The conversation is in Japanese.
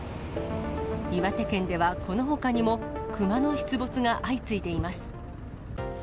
岩手県ではこのほかにも、熊の出没が相次いでいます。